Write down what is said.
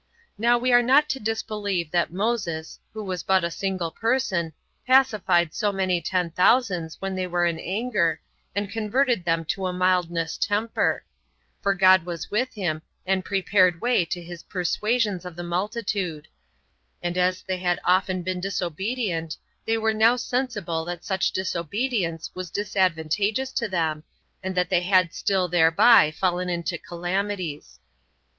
Now we are not to disbelieve that Moses, who was but a single person, pacified so many ten thousands when they were in anger, and converted them to a mildness temper; for God was with him, and prepared way to his persuasions of the multitude; and as they had often been disobedient, they were now sensible that such disobedience was disadvantageous to them and that they had still thereby fallen into calamities.